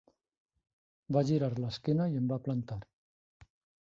Va girar l'esquena i em va plantar.